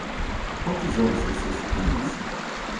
Há quantos anos vocês se conhecem?